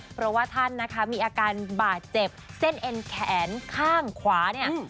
เพราะว่าท่านนะคะมีอาการบาดเจ็บเส้นเอ็นแขนข้างขวาเนี่ย